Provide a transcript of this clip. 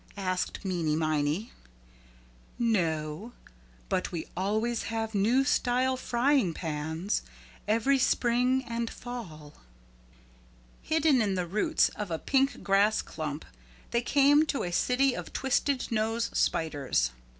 asked Meeney Miney. "No, but we always have new style frying pans every spring and fall." Hidden in the roots of a pink grass clump, they came to a city of twisted nose spiders.